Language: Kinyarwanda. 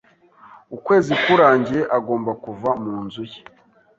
Ukwezi kurangiye agomba kuva mu nzu ye.